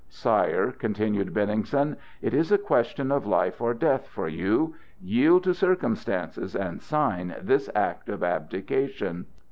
"Sire," continued Benningsen, "it is a question of life or death for you! Yield to circumstances and sign this act of abdication!"